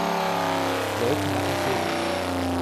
Leute machen Fotos